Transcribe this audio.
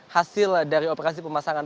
hasil dari operasi pemasangan